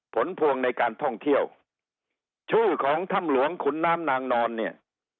ผลพวงในการท่องเที่ยวชื่อของถ้ำหลวงขุนน้ำนางนอนเนี่ย